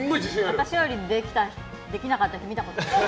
私よりできなかった人見たことない。